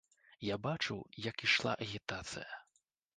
Я бачыў, як ішла агітацыя.